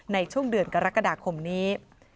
ในช่วงเดือนกรกฎาคมนี้